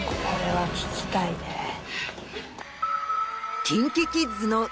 これは聞きたいね。